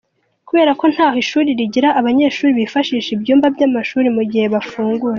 Kubera ko ntaho ishuri rigira, abanyeshuri bifashisha ibyumba by’amashuri mu gihe bafungura.